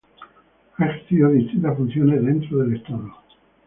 Ha ejercido distintas funciones dentro del Estado.